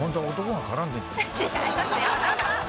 違いますよ。